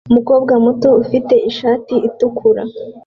Umukobwa muto ufite ishati itukura